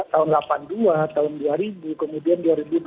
tahun delapan puluh dua tahun dua ribu kemudian dua ribu dua puluh dua